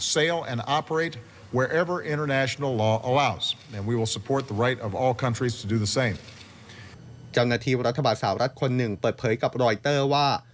เจ้าหน้าที่รัฐบาลสาวรัฐคนหนึ่งเปิดเผยกับรอยเตอร์ว่า